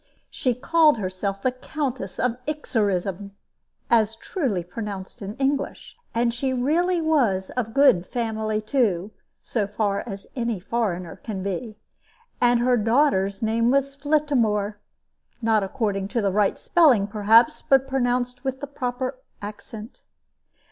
She called herself the Countess of Ixorism, as truly pronounced in English; and she really was of good family too, so far as any foreigner can be. And her daughter's name was Flittamore, not according to the right spelling, perhaps, but pronounced with the proper accent.